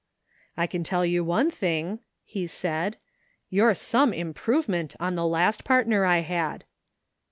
" I can tell you one thing," he said, " you're some improvement on the last partner I had."